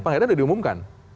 penggeledahan sudah diumumkan